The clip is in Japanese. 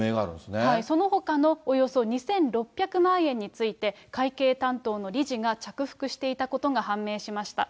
そのほかのおよそ２６００万円について、会計担当の理事が着服していたことが判明しました。